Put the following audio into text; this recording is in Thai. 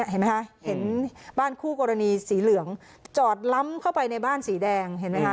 เห็นบ้านคู่กรณีสีเหลืองจอดล้ำเข้าไปในบ้านสีแดง